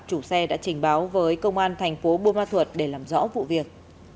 chủ xe đã trình báo với công an thành phố bumathut để làm rõ vụ việc